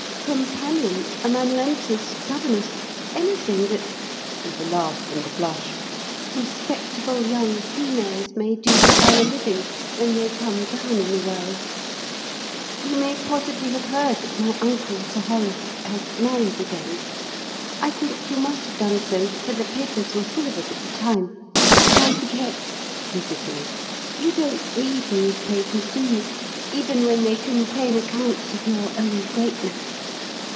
"Companion, amanuensis, governess anything that," with a laugh and a blush, "'respectable young females' may do to earn a living when they come down in the world. You may possibly have heard that my uncle, Sir Horace, has married again. I think you must have done so, for the papers were full of it at the time. But I forget" quizzically "you don't read newspapers, do you, even when they contain accounts of your own greatness."